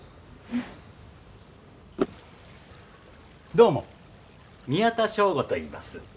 どうも宮田彰悟といいます。